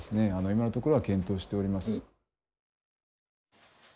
今のところは検討しておりません。